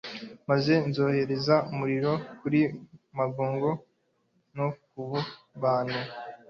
maze nzohereza umuriro kuri magogi no ku bantu